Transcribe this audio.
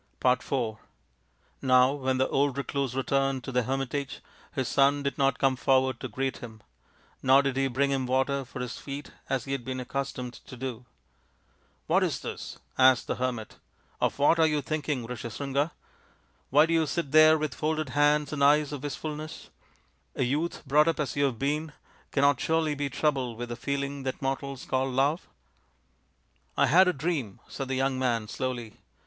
IV Now when the old recluse returned to the hermitage his son did not come forward to greet him : nor did he bring him water for his feet as he had been accustomed to do. " What is this ?" asked the hermit. " Of what are you thinking, Rishyasringa ? Why do you sit there with folded hands and eyes of wistfulness ? A youth brought up as you have been cannot surely be troubled with the feeling that mortals call love ?" I had a dream," said the young man, slowly.